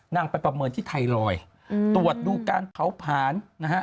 นางไปประเมินที่ไทรอยด์ตรวจดูการเผาผลาญนะฮะ